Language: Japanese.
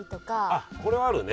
あっこれはあるね。